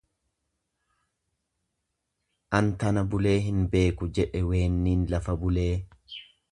An tana bulee hin beeku jedhe weenniin lafa bulee.